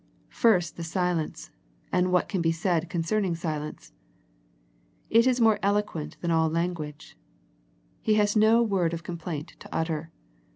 First the silence, and what can be said concerning silence. It is more eloquent than all language. He has no word of complaint to utter.